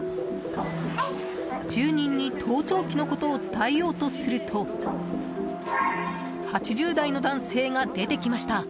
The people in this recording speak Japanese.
住人に盗聴器のことを伝えようとすると８０代の男性が出てきました。